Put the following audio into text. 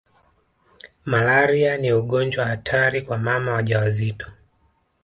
Malaria ni ugonjwa hatari kwa mama wajawazito